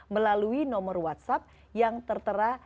melalui nomor whatsapp yang tertera